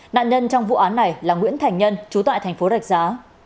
nạn nhân trong vụ án này là nguyễn thành nhân trú tại thành phố rạch giá